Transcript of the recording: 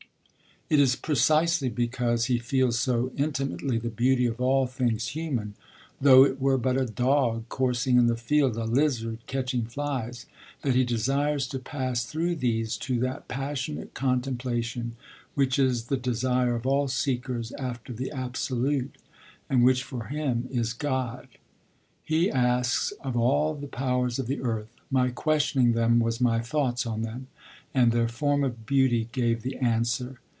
It is precisely because he feels so intimately the beauty of all things human, though it were but 'a dog coursing in the field, a lizard catching flies,' that he desires to pass through these to that passionate contemplation which is the desire of all seekers after the absolute, and which for him is God. He asks of all the powers of the earth: 'My questioning them, was my thoughts on them; and their form of beauty gave the answer.'